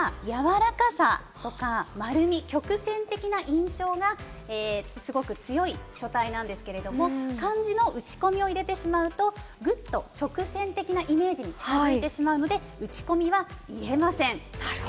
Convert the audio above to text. ひらがなは柔らかさとか丸み、曲線的な印象がすごく強い書体なんですけれども、漢字のうちこみを入れてしまうと、ぐっと直線的なイメージに近づいてしまうので、うちこみは入れません。